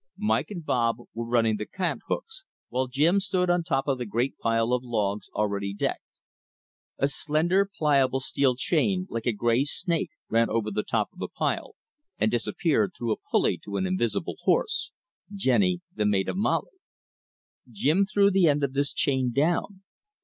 Mike and Bob were running the cant hooks, while Jim stood on top of the great pile of logs already decked. A slender, pliable steel chain, like a gray snake, ran over the top of the pile and disappeared through a pulley to an invisible horse, Jenny, the mate of Molly. Jim threw the end of this chain down.